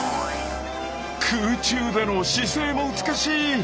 空中での姿勢も美しい！